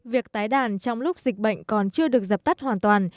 việc tái đàn trong lúc dịch bệnh còn chưa được dập tắt hoàn toàn